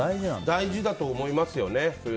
大事だと思いますよね。